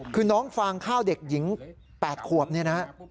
คือน้องฟางข้าวเด็กหญิง๘ขวบเนี่ยนะฮะ